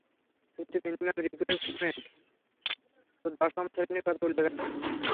কিন্তু মিনিমাম রিকুয়েরমেন্টে তো দশম শ্রেণীর কথা উল্লেখ আছে।